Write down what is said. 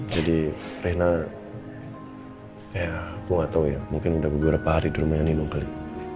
jadi rena ya aku gatau ya mungkin udah berdua dua hari di rumahnya nino kali